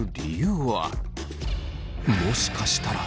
もしかしたら。